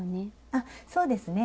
あっそうですね。